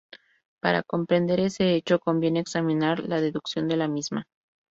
Para comprender ese hecho conviene examinar la deducción de la misma.